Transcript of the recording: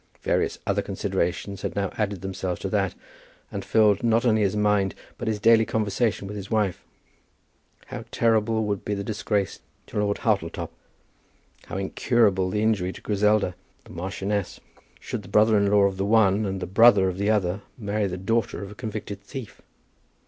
Various other considerations had now added themselves to that, and filled not only his mind but his daily conversation with his wife. How terrible would be the disgrace to Lord Hartletop, how incurable the injury to Griselda, the marchioness, should the brother in law of the one, and the brother of the other, marry the daughter of a convicted thief!